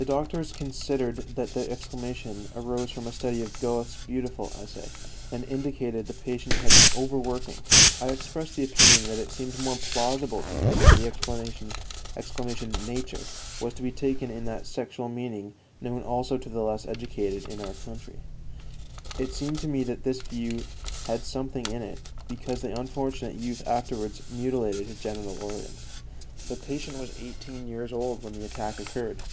The doctors considered that the exclamation arose from a study of Goethe's beautiful essay, and indicated that the patient had been overworking. I expressed the opinion that it seemed more plausible to me that the exclamation "Nature!" was to be taken in that sexual meaning known also to the less educated in our country. It seemed to me that this view had something in it, because the unfortunate youth afterwards mutilated his genital organs. The patient was eighteen years old when the attack occurred.